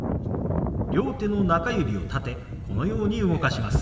両手の中指を立てこのように動かします。